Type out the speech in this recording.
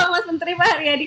mas menteri pak hari adi